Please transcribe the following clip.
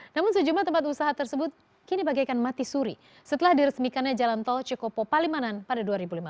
namun sejumlah tempat usaha tersebut kini bagaikan mati suri setelah diresmikannya jalan tol cikopo palimanan pada dua ribu lima belas